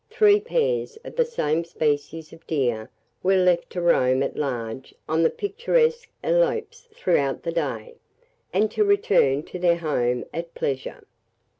Three pairs of the same species of deer were left to roam at large on the picturesque elopes throughout the day, and to return to their home at pleasure.